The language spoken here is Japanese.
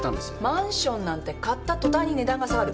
マンションなんて買った途端に値段が下がる。